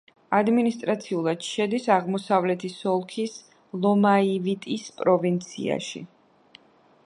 ადმინისტრაციულად შედის აღმოსავლეთის ოლქის ლომაივიტის პროვინციაში.